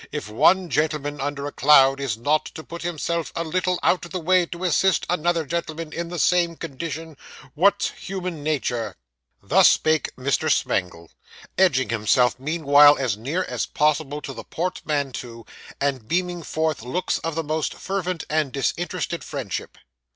if one gentleman under a cloud is not to put himself a little out of the way to assist another gentleman in the same condition, what's human nature?' Thus spake Mr. Smangle, edging himself meanwhile as near as possible to the portmanteau, and beaming forth looks of the most fervent and disinterested friendship.